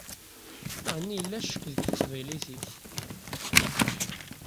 Ɛni yella ccek deg teqbaylit-ik?